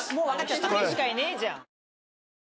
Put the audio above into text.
１人しかいねえじゃん。